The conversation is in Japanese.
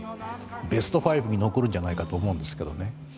ベスト５に残るんじゃないかと思うんです。